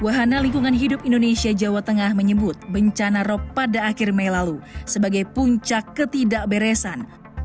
wahana lingkungan hidup indonesia jawa tengah menyebut bencana rop pada akhir mei lalu sebagai puncak ketidakberesan